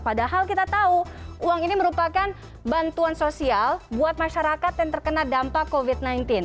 padahal kita tahu uang ini merupakan bantuan sosial buat masyarakat yang terkena dampak covid sembilan belas